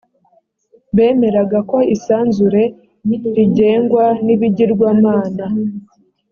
bemeraga ko isanzure rigengwa n ibigirwamana